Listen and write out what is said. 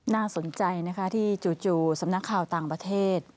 น่าสนใจนะคะที่จู่สำนักข่าวต่างประเทศ